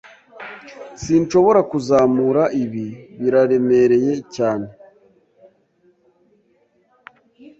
Sinshobora kuzamura ibi. Biraremereye cyane.